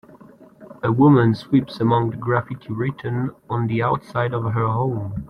A woman sweeps among the graffiti written on the outside of her home.